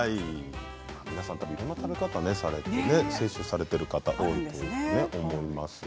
皆さんいろいろな食べ方をされて摂取されている方多いと思います。